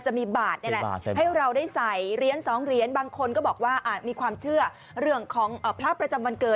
จะมีบาทนี่แหละให้เราได้ใส่เหรียญ๒เหรียญบางคนก็บอกว่ามีความเชื่อเรื่องของพระประจำวันเกิด